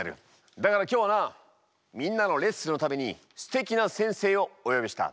だから今日はなみんなのレッスンのためにすてきな先生をおよびした。